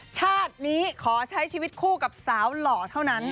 ชาตินี้ขอใช้ชีวิตคู่กับสาวหล่อเท่านั้น